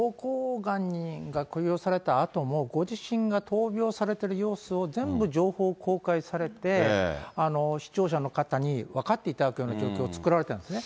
がんが公表されたあとも、ご自身が闘病されてる様子を全部情報を公開されて、視聴者の方に分かっていただくような状況を作られたんですね。